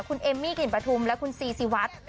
คุณเอมมี่กลิ่นประทุมและคุณซีซีวัด